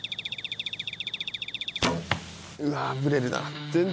うわブレるな。